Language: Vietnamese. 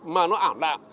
mà nó ảm đạm